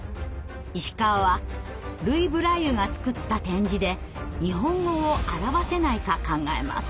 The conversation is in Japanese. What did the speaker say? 石川はルイ・ブライユが作った点字で日本語を表せないか考えます。